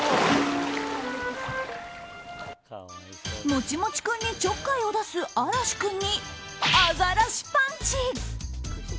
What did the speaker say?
もちもち君に、ちょっかいを出すあらし君にアザラシパンチ！